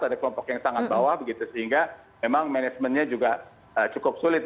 ada kelompok yang sangat bawah begitu sehingga memang manajemennya juga cukup sulit